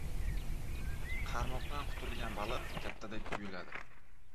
• Qarmoqdan qutulgan baliq kattadek tuyuladi.